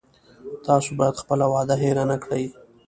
تاسو باید خپله وعده هیره نه کړی